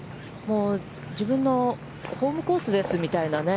自分のホームコースですみたいなね。